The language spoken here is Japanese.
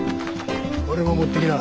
これも持ってきな。